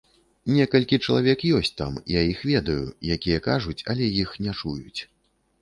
Некалькі чалавек ёсць там, я іх ведаю, якія кажуць, але іх не чуюць.